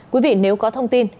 quý vị nếu có thông tin